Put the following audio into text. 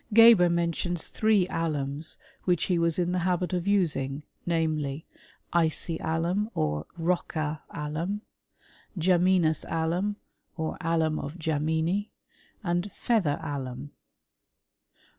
Geber mentions three alums which he was in the habit of using; namely, icy alum, or Rocca alum; Jamenous alum, or alum of Jameni, and feather alum.